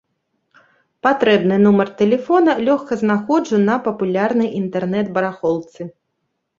Патрэбны нумар тэлефона лёгка знаходжу на папулярнай інтэрнэт-барахолцы.